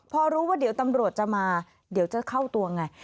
พอรู้ว่าเดี๋ยวตำรวจจะมาเดี๋ยวจะเข้าตัวไง